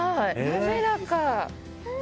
滑らか。